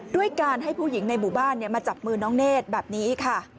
ด้วยการให้ผู้หญิงในหมู่บ้านมาจับมือน้องเนธแบบนี้ค่ะ